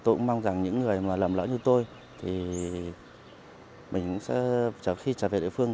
tôi cũng mong rằng những người lầm lỗi như tôi thì mình cũng sẽ trở về địa phương